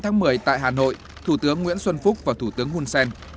ngày một mươi tại hà nội thủ tướng nguyễn xuân phúc và thủ tướng hun sen